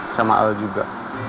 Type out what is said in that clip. sama al juga